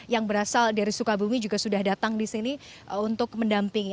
yang berasal dari sukabumi juga sudah datang di sini untuk mendampingi